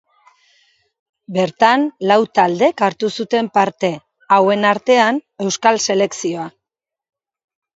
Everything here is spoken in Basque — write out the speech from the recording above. Bertan lau taldek hartu zuten parte, hauen artean Euskal selekzioa.